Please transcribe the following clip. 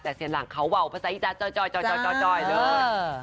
แต่เซียนหลังเขาเว่าภาษาอีสานจอยเลย